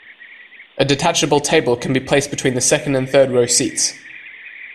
A detachable table can be placed between the second and third row seats.